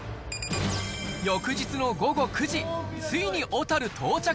翌日の午後９時、ついに小樽到着。